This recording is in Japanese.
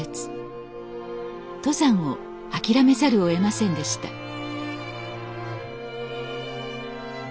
登山を諦めざるをえませんでした